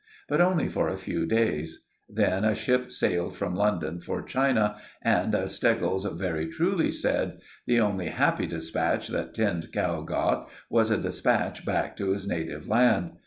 But only for a few days. Then a ship sailed from London for China and, as Steggles very truly said, the only 'happy dispatch' that Tinned Cow got was a dispatch back to his native land.